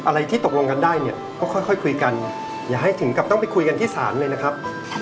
อะไรที่ตกลงกันได้เนี่ยก็ค่อยคุยกันอย่าให้ถึงกับต้องไปคุยกันที่ศาลเลยนะครับ